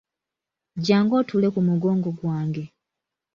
Jangu otuule ku mugongo gwange.